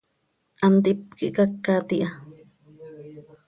Hantíp quih cacat iha.